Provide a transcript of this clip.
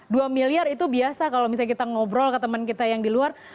dua miliar itu biasa kalau misalnya kita ngobrol ke teman kita yang di luar